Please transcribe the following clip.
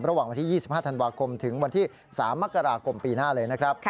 ระหว่างวันที่๒๕ธันวาคมถึงวันที่๓มกราคมปีหน้าเลยนะครับ